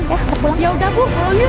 ya udah bu kalau gitu